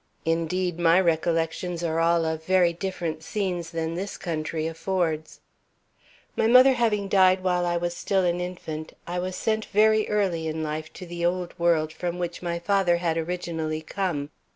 Indeed, my recollections are all of very different scenes than this country affords. My mother having died while I was still an infant, I was sent very early in life to the Old World, from which my father had originally come.